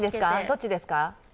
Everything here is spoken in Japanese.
どっちですか？